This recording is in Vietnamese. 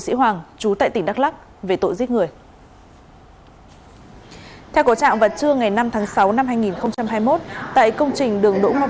công an tỉnh đắk lắc đang tiếp tục củng cố hồ sơ